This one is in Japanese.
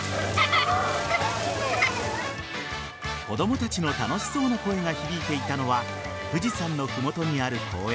子供たちの楽しそうな声が響いていたのは富士山の麓にある公園